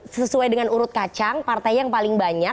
sesuai dengan urut kacang partai yang paling banyak